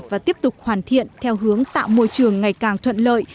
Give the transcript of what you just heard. và tiếp tục hoàn thiện theo hướng tạo môi trường ngày càng thuận lợi